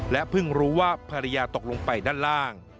เพิ่งรู้ว่าภรรยาตกลงไปด้านล่าง